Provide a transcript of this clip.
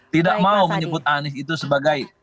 tidak mau menyebut anies itu sebagai